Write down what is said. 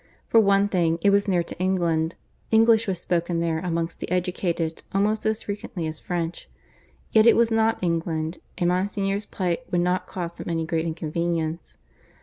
For one thing, it was near to England English was spoken there amongst the educated almost as frequently as French; yet it was not England, and Monsignor's plight would not cause him any great inconvenience.